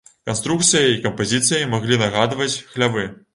Канструкцыяй і кампазіцыяй маглі нагадваць хлявы.